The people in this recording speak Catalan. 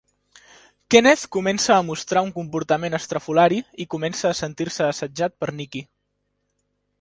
Kenneth comença a mostrar un comportament estrafolari i comença a sentir-se assetjat per Nikki.